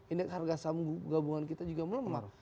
indeks harga saham gabungan kita juga melemah